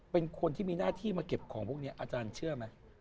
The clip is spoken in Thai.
เป็นคนที่มีหน้าที่มาเก็บของพวกนี้อาจารย์เชื่อไหม